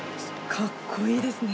かっこいいですね。